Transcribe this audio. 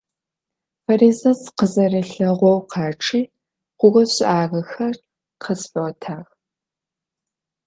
Фаризэт сыкъызэрилъэгъоу къачъи, хъугъэ-шӀагъэхэр къысфиӀотагъ.